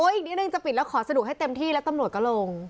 อีกนิดนึงจะปิดแล้วขอสะดวกให้เต็มที่แล้วตำรวจก็ลง